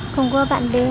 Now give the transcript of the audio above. không có bạn bè